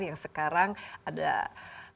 yang sekarang ada lanjutannya kartu indonesia pintar